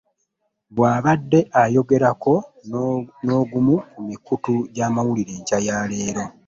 Bw'abadde ayogerako n'ogumu ku mikutu gy'amawulire enkya ya leero